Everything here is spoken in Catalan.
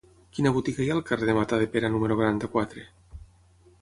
Quina botiga hi ha al carrer de Matadepera número quaranta-quatre?